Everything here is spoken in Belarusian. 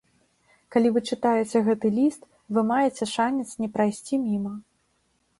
Калі вы чытаеце гэты ліст, вы маеце шанец не прайсці міма.